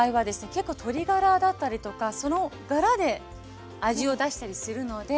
結構鶏ガラだったりとかそのガラで味を出したりするので。